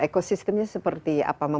ekosistemnya seperti apa